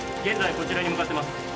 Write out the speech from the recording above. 現在こちらに向かってます